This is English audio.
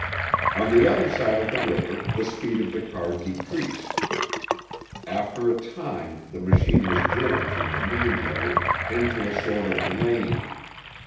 On the other side of the river, the speed of the car decreased. After a time the machine was driven from the main road into a sort of lane.